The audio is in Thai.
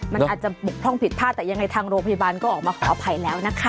มันอาจจะบกพร่องผิดพลาดแต่ยังไงทางโรงพยาบาลก็ออกมาขออภัยแล้วนะคะ